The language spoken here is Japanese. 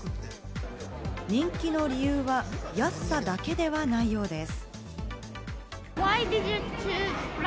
人気の理由は安さだけではないようです。